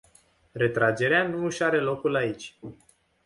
Retragerea nu își are locul aici.